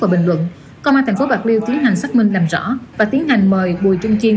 đề luận công an thành phố bạc liêu tiến hành xác minh làm rõ và tiến hành mời bùi trung kiên